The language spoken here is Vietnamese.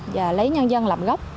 và lấy nhân dân làm gốc